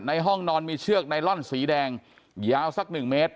ห้องนอนมีเชือกไนลอนสีแดงยาวสักหนึ่งเมตร